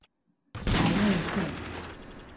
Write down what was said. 台二線